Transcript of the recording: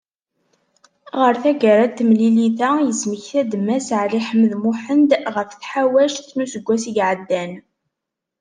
Ɣer taggara n temlilit-a, ismekta-d Mass Ɛli Ḥmed Muḥend, ɣef tḥawact n useggas i iɛeddan.